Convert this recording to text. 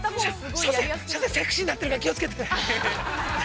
◆セクシーになってるから、気をつけて。